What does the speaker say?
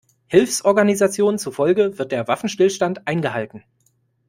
Hilfsorganisationen zufolge wird der Waffenstillstand eingehalten.